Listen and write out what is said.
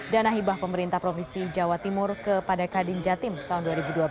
dan ahibah pemerintah provinsi jawa timur kepada kadin jatim tahun dua ribu dua belas